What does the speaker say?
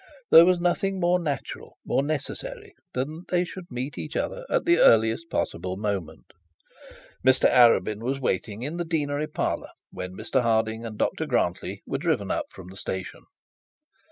There was nothing more natural, more necessary, than that they should meet each other at the earliest possible moment. Mr Arabin was waiting at the deanery parlour when Mr Harding and Dr Grantly were driven up from the station.